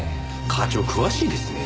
課長詳しいですね。